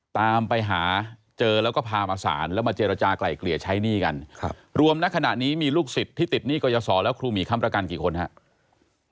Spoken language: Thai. ตามไปหาเจอแล้วก็พามาศาลแล้วมาเจรจากลายเกลี่ยใช้หนี้กันครับรวมนักขณะนี้มีลูกศิษย์ที่ติดหนี้กรยาศรแล้วครูหมีค้ำประกันกี่คนครับ